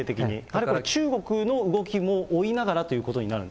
だから中国の動きも追いながらということになる？